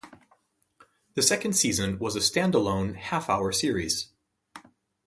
The second season was a stand-alone, half-hour series.